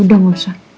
yaudah enggak usah